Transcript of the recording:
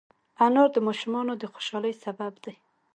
انار د ماشومانو د خوشحالۍ سبب دی.